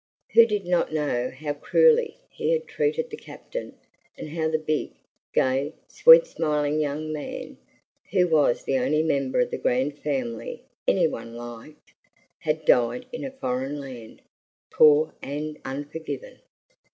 Who did not know how cruelly he had treated the Captain, and how the big, gay, sweet smiling young man, who was the only member of the grand family any one liked, had died in a foreign land, poor and unforgiven?